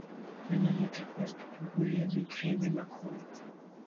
La même interface peut proposer de créer des macros.